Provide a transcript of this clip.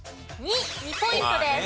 ２ポイントです。